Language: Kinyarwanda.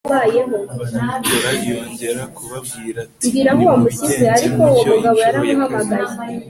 Barabikora yongera kubabwira ati Nimubigenze mutyo incuro ya kabiri